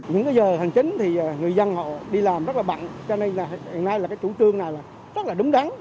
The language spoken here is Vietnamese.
những giờ hành chính thì người dân họ đi làm rất là bận cho nên hiện nay là cái chủ trương này rất là đúng đắn